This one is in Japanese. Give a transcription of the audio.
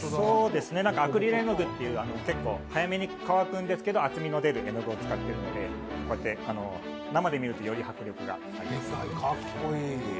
アクリル絵の具つていう結構早く乾くんですけど厚みの出る絵の具を使っているんで、生で見るとより迫力がありますかっこいい。